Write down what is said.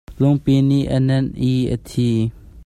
Lungpi nih a nenh i a thi.